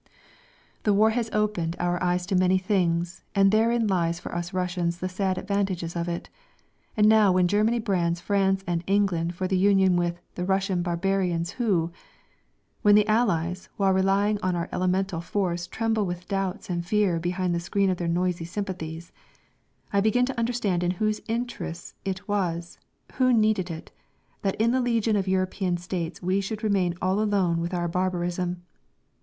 The war has opened our eyes to many things, and therein lies for us Russians the sad advantages of it. And now when Germany brands France and England for the union with "the Russian barbarians who...," when the allies, while relying on our elemental force, tremble with doubts and fear behind the screen of their noisy sympathies, I begin to understand in whose interests it was, who needed it, that in the legion of European states we should remain all alone with our barbarism.